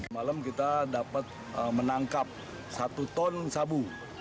malam kita dapat menangkap satu ton sabu